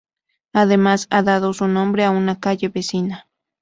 Además ha dado su nombre a una calle vecina.